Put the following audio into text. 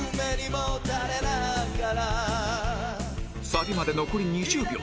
サビまで残り２０秒